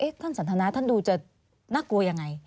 ท่านสันทนาท่านดูจะน่ากลัวยังไง